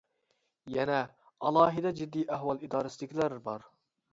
يەنە ئالاھىدە جىددىي ئەھۋال ئىدارىسىدىكىلەر بار.